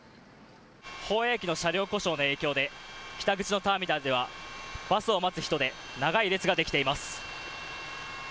保谷駅の車両故障の影響で北口のターミナルでは、バスを待つ人で長い列ができています。